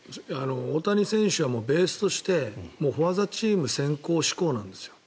大谷選手はベースとしてフォア・ザ・チーム先行思考なんですよ